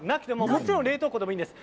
もちろん冷凍庫でもいいんです。